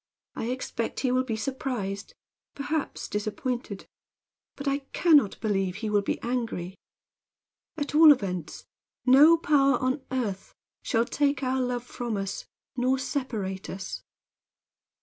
I expect he will be surprised; perhaps disappointed; but I can not believe he will be angry. At all events no power on earth shall take our love from us nor separate us."